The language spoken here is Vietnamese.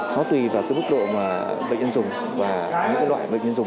nó tùy vào cái mức độ mà bệnh nhân dùng và những loại bệnh nhân dùng